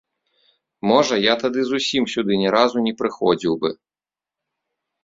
Можа, я тады зусім сюды ні разу не прыходзіў бы.